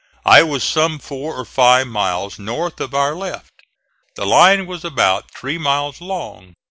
I was some four or five miles north of our left. The line was about three miles long.